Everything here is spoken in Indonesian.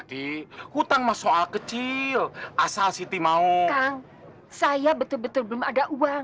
ngutang mas soal kecil asal siti mau kang saya betul betul belum ada uang